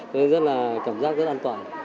thế rất là cảm giác rất an toàn